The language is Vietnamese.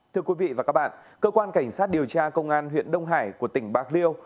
thưa quý vị và các bạn cơ quan cảnh sát điều tra công an huyện đông hải của tỉnh bạc liêu